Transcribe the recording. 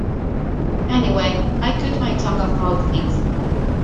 Anyway, I cut my tongue of all things.